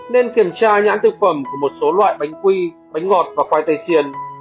nên kiểm tra nhãn thực phẩm của một số loại bánh quy bánh ngọt và quay tây chiên